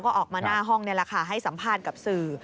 ก็ออกมาหน้าห้องนี่แหละค่ะให้สัมภาษณ์กับสื่อ